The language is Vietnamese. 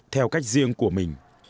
theo cách riêng của mình